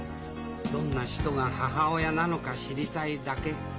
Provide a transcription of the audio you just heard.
どんな人が母親なのか知りたいだけ」。